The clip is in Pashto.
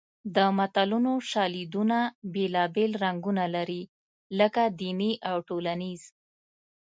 د متلونو شالیدونه بېلابېل رنګونه لري لکه دیني او ټولنیز